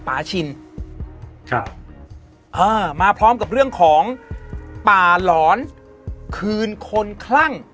ชินครับเออมาพร้อมกับเรื่องของป่าหลอนคืนคนคลั่ง